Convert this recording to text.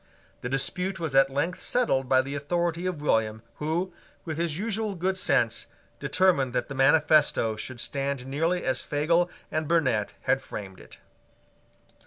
The dispute was at length settled by the authority of William, who, with his usual good sense, determined that the manifesto should stand nearly as Fagel and Burnet had framed it.